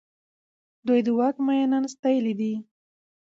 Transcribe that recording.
دوی د واک مينان ستايلي دي.